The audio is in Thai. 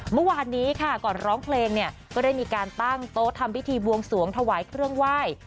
เมื่อวานนี้ค่ะก่อนร้องเพลงเนี่ยก็ได้มีการตั้งโต๊ะทำพิธีบวงสวงถวายเครื่องไหว้